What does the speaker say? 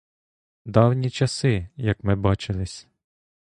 Давні часи, як ми бачились.